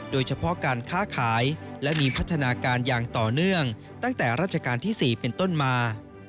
โดยเฉพาะการค้าขายและมีพัฒนาการอย่างต่อเนื่องตั้งแต่ราชการที่๔เป็นต้นมา